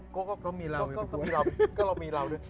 โก้ก็มีเรามีเราด้วย